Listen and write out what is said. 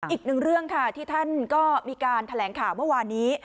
อีกหนึ่งเรื่องค่ะที่ท่านก็มีการแถลงข่าวเมื่อวานนี้